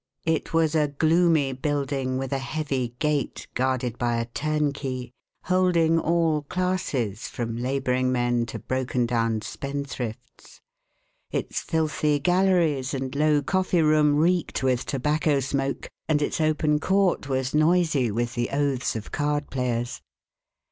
It was a gloomy building with a heavy gate, guarded by a turnkey, holding all classes, from laboring men to broken down spendthrifts. Its filthy galleries, and low coffee room reeked with tobacco smoke and its open court was noisy with the oaths of card players.